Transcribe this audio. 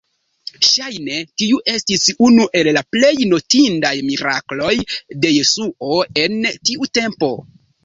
Ŝajne, tiu estis unu el la plej notindaj mirakloj de Jesuo en tiu tempo.